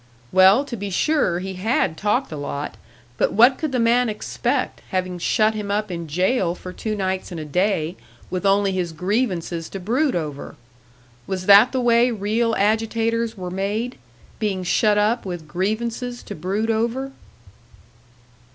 Well, to be sure, he had talked a lot; but what could the man expect having shut him up in jail for two nights and a day, with only his grievances to brood over! Was that the way real agitators were made being shut up with grievances to brood over?